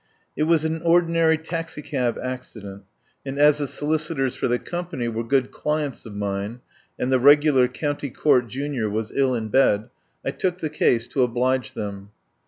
It was an ordinary taxi cab accident, and, as the solicitors for the company were good clients of mine, and the regular county court junior was ill in bed, I took the case to oblige them.